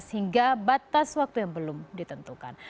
hingga batas waktu yang belum ditentukan